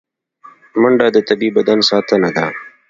منډه د طبیعي بدن ساتنه ده